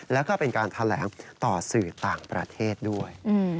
แล้วก็เป็นการแถลงต่อสื่อต่างประเทศด้วย